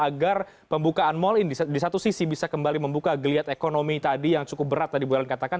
agar pembukaan mal ini di satu sisi bisa kembali membuka geliat ekonomi tadi yang cukup berat tadi bu ellen katakan